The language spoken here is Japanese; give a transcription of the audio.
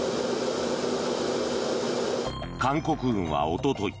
韓国軍はおととい